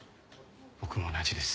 僕も同じです。